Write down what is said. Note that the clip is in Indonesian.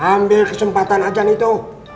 ambil kesempatan ajan itu